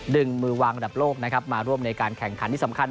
ดึงมือวางระดับโลกมาร่วมในการแข่งขันที่สำคัญ